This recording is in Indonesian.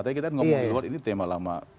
tapi kita ngomong di luar ini tema lama